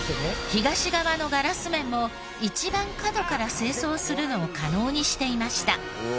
東側のガラス面も一番角から清掃するのを可能にしていました。